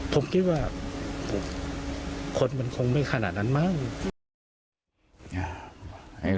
ผมคิดว่าคนมันคงไม่ขนาดนั้นมั้ง